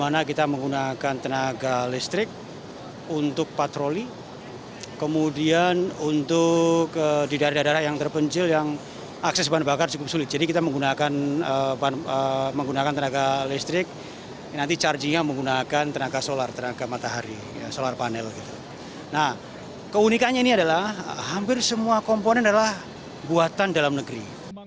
nah keunikannya ini adalah hampir semua komponen adalah buatan dalam negeri